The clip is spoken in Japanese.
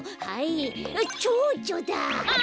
はい。